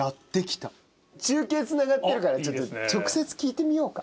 中継つながってるから直接聞いてみようか。